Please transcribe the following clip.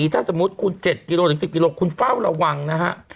ถ้าสมมุติคุณ๗กิโลถึง๑๐กิโลคุณเฝ้าระวังนะฮะ